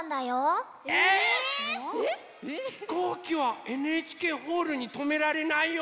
え⁉ひこうきはＮＨＫホールにとめられないよ。